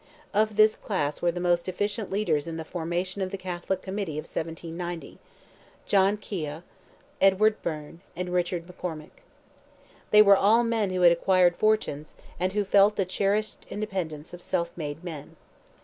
Of this class were the most efficient leaders in the formation of the Catholic Committee of 1790—John Keogh, Edward Byrne, and Richard McCormick. They were all men who had acquired fortunes, and who felt and cherished the independence of self made men.